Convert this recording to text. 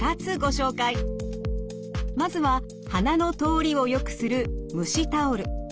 まずは鼻の通りをよくする蒸しタオル。